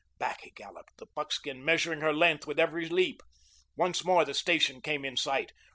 Back he galloped, the buckskin measuring her length with every leap. Once more the station came in sight.